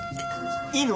いいの？